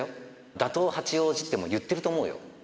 打倒、八王子ってもう言ってると思うよ。